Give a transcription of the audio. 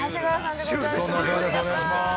お願いします。